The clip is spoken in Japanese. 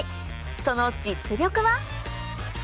その実力は？